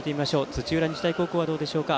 土浦日大高校は、どうでしょうか。